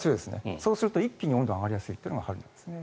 そうすると一気に温度が上がりやすいのが春ですね。